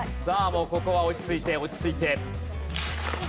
ここは落ち着いて落ち着いて。